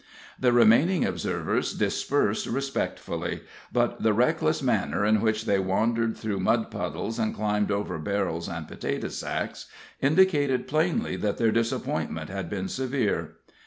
The remaining observers dispersed respectfully; but the reckless manner in which they wandered through mud puddles and climbed over barrels and potato sacks, indicated plainly that their disappointment had been severe.